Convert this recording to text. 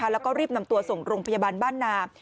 แล้วก็รีบนำตัวส่งโรงพยาบาลบ้านนาม